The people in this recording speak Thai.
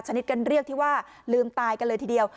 กันเรียกที่ว่าลืมตายกันเลยทีเดียว